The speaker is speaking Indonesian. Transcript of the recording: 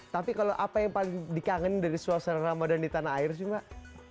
tapi kalau apa yang paling dikangenin dari suasana ramadan di tanah air sih mbak